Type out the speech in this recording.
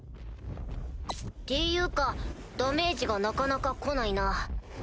っていうかダメージがなかなか来ないな